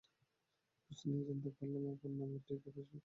খোঁজ নিয়ে জানতে পারলাম, আমার নামে ঠিকই ফেসবুকে কয়েকটা পেজ খোলা আছে।